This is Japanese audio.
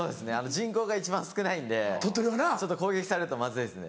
人口が一番少ないんでちょっと攻撃されるとまずいですね。